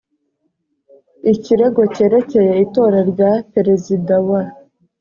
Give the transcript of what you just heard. ikirego cyerekeye itora rya perezida wa